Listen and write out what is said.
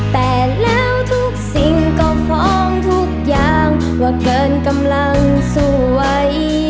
แต่แล้วทุกสิ่งก็ฟ้องทุกอย่างว่าเกินกำลังสวย